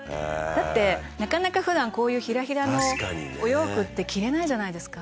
「だってなかなか普段こういうヒラヒラのお洋服って着れないじゃないですか」